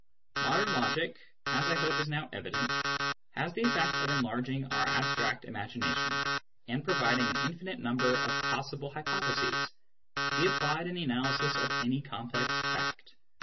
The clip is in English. Modern logic, as I hope is now evident, has the effect of enlarging our abstract imagination, and providing an infinite number of possible hypotheses to be applied in the analysis of any complex fact.